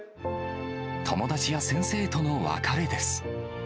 友達や先生との別れです。